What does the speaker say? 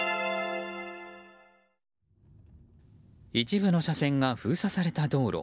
一部の車線が封鎖された道路。